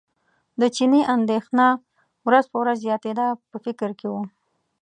د چیني اندېښنه ورځ په ورځ زیاتېده په فکر کې و.